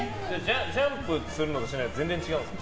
ジャンプするのとしないのは全然違いますか？